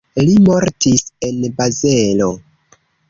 Li mortis en Bazelo.